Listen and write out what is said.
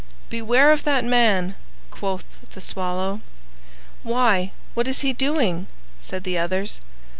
"Beware of that man," quoth the Swallow. "Why, what is he doing?" said the others.